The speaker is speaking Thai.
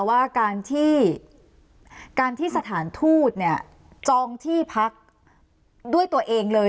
ว่าการที่การที่สถานทูตเนี่ยจองที่พักด้วยตัวเองเลย